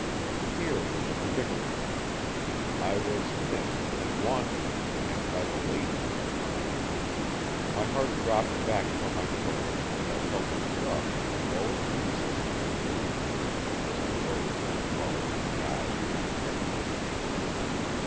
Here was a predicament. I was missed and wanted and by the ladies. My heart dropped back from my throat, and I felt it throbbing in the lowest recesses of my boot heels as I rose and followed my guide.